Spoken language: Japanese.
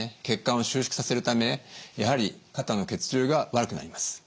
血管を収縮させるためやはり肩の血流が悪くなります。